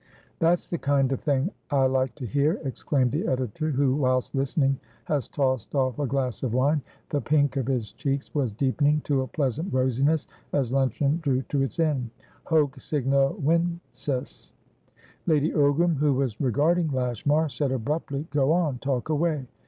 "That's the kind of thing I like to hear," exclaimed the editor, who, whilst listening, has tossed off a glass of wine. (The pink of his cheeks was deepening to a pleasant rosiness, as luncheon drew to its end.) "Hoc signo vinces!" Lady Ogram, who was regarding Lashmar, said abruptly, "Go on! Talk away!"